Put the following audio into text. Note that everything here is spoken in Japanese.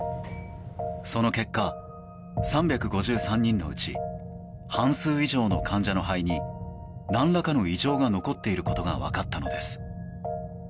その結果、３５３人のうち半数以上の患者の肺に何らかの異常が残っていることが分かったのです。